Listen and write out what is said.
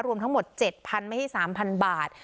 รวมทั้งหมดเจ็ดพันไม่ที่สามพันบาท